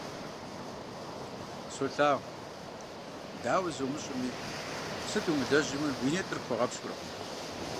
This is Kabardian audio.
Солъагъу, дауэ зумыщӀми, сыт умылэжьми уи нитӀыр пхуэгъэпщкӀуркъым.